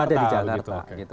ada di jakarta